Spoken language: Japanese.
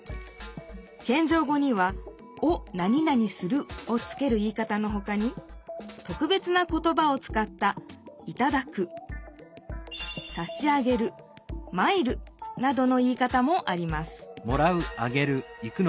けんじょう語には「おなになにする」をつける言い方のほかにとくべつな言ばを使った「いただく」「さし上げる」「参る」などの言い方もあります